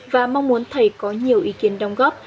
và mong muốn thầy có nhiều ý kiến đóng góp